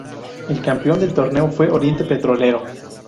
El Campeón del torneo fue Oriente Petrolero.